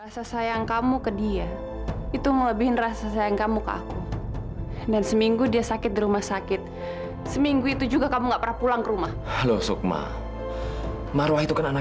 sampai jumpa di video selanjutnya